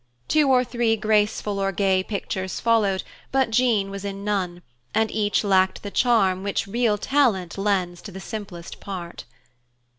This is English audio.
Two or three graceful or gay pictures followed, but Jean was in none, and each lacked the charm which real talent lends to the simplest part.